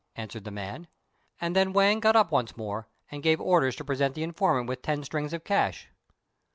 answered the man; and then Wang got up once more, and gave orders to present the informant with ten strings of cash.